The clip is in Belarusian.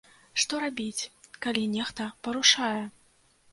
Што рабіць, калі нехта парушае?